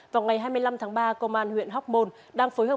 vào ngày hai mươi năm tháng ba công an huyện hóc môn đang phối hợp